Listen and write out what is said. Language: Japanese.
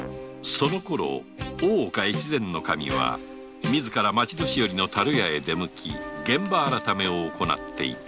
そのころ大岡越前守は自ら町年寄の樽屋へ出向き現場改めをおこなっていた